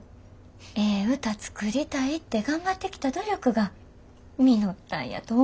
ええ歌作りたいって頑張ってきた努力が実ったんやと思う。